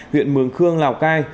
huyện mương khương lào cai